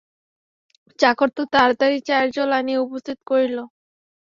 চাকর তো তাড়াতাড়ি চায়ের জল আনিয়া উপস্থিত করিল।